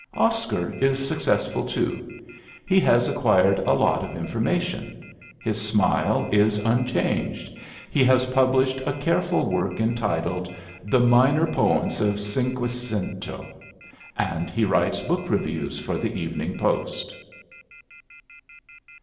Oscar is successful too. He has acquired a lot of information. His smile is unchanged. He has published a careful work entitled "The Minor Poets of Cinquecento," and he writes book reviews for the Evening Post.